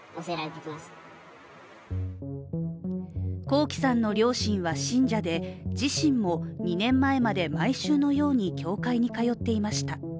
光樹さんの両親は信者で自身も２年前まで毎週のように教会に通っていました。